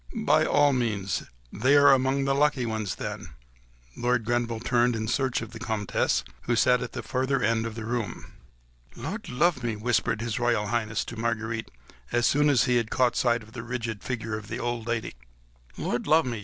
"By all means!—They are among the lucky ones then!" Lord Grenville turned in search of the Comtesse, who sat at the further end of the room. "Lud love me!" whispered His Royal Highness to Marguerite, as soon as he had caught sight of the rigid figure of the old lady; "Lud love me!